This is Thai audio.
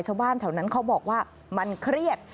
ชาวบ้านแถวนั้นเขาบอกว่ามันเครียด